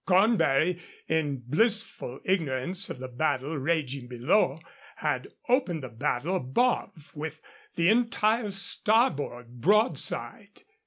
Cornbury, in blissful ignorance of the battle raging below, had opened the battle above with the entire starboard broadside.